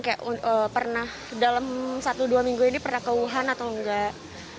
kayak pernah dalam satu dua minggu ini pernah ke wuhan atau enggak